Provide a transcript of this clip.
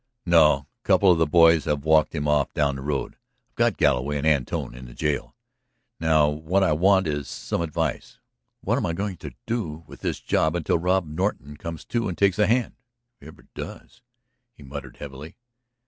"No. A couple of the boys have walked him off down the road. I've got Galloway and Antone in the jail. Now, what I want is some advice. What am I going to do with this job until Rod Norton comes to and takes a hand ... if he ever does," he muttered heavily.